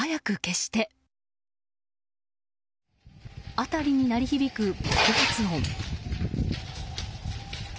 辺りに鳴り響く爆発音。